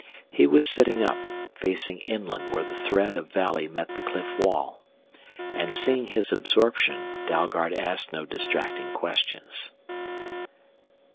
He was sitting up, facing inland where the thread of valley met the cliff wall. And seeing his absorption, Dalgard asked no distracting questions.